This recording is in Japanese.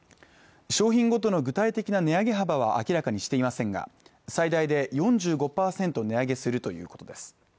商品ごとの具体的な値上げ幅は明らかにしていませんが最大で４５％値上げするということです